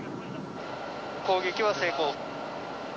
攻撃は成功。